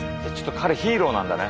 彼ヒーローなんだね